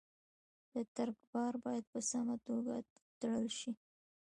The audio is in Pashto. د ټرک بار باید په سمه توګه تړل شي.